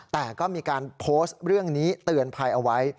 แต่ก็มีการโพสต์เรื่องนี้เตือนภัยเอาไว้